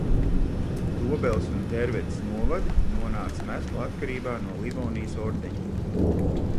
Dobeles un Tērvetes novadi nonāca meslu atkarībā no Livonijas ordeņa.